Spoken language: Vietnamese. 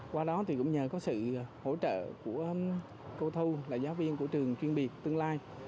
qua đó thì cũng nhờ có sự hỗ trợ của cô thu là giáo viên của trường chuyên biệt tương lai